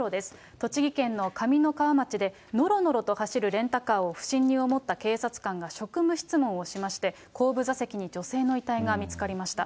栃木県の上三川町でのろのろと走るレンタカーを不審に思った警察官が職務質問をしまして、後部座席に女性の遺体が見つかりました。